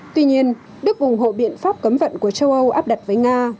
tuy nhiên đức ủng hộ biện pháp cấm vận của châu âu áp đặt với nga